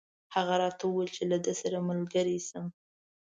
هغه راته وویل چې له ده سره ملګری شم.